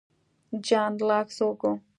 جان لاک څوک و؟